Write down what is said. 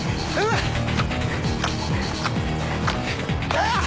あっ！